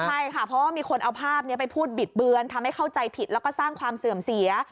ใช่ค่ะเพราะว่ามีคนเอาภาพนี้ไปพูดบิดเบือนทำให้เข้าใจผิดแล้วก็สร้างความเสื่อมเสีย